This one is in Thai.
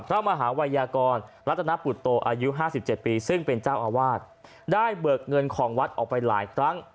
พระมหาวัยยากรรัตนปุตโตอายุ๕๗ปีซึ่งเป็นเจ้าอาวาสได้เบิกเงินของวัดออกไปหลายครั้ง